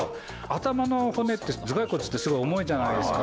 頭の骨って頭蓋骨ってすごい重いじゃないですか、